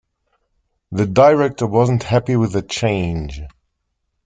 The director wasn't happy with the change.